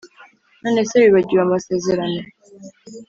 none se wibagiwe amasezerano?